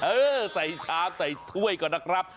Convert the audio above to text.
เออใส่ชามใส่ถ้วยก่อนนะครับ